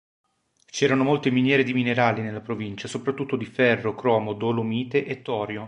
C'erano molte miniere di minerali nella provincia, soprattutto di ferro, cromo, dolomite e torio.